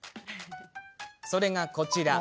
それがこちら。